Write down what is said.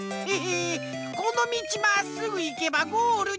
このみちまっすぐいけばゴールじゃん！